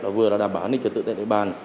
là vừa là đảm bảo an ninh trật tự tại nơi bàn